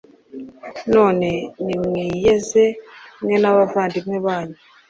none nimwiyeze mwe n’abavandimwe banyu